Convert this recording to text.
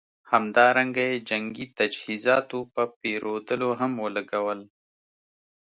همدارنګه یې جنګي تجهیزاتو په پېرودلو هم ولګول.